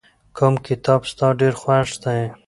کوم کتاب ستا ډېر خوښ دی؟